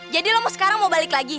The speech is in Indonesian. jadi lo mau sekarang mau balik lagi